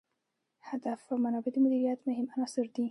هدف او منابع د مدیریت مهم عناصر دي.